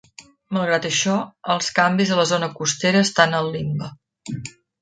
Malgrat això, els canvis a la zona costera estan al limbe.